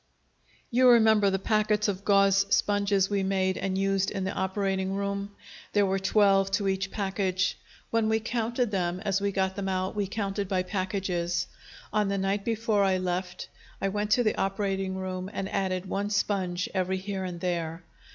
"You remember the packets of gauze sponges we made and used in the operating room? There were twelve to each package. When we counted them as we got them out, we counted by packages. On the night before I left, I went to the operating room and added one sponge every here and there.